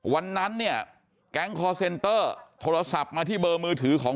วันนั้นเนี่ยแก๊งคอร์เซ็นเตอร์โทรศัพท์มาที่เบอร์มือถือของ